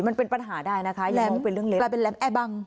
มันเป็นปัญหาได้นะคะแรมนี่เป็นเรื่องเล็กกลายเป็นแหลมแอร์บัง